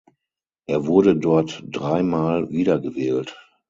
Er wurde dort dreimal wiedergewählt.